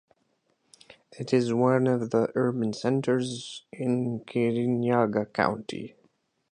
It is one of the urban centres in Kirinyaga County.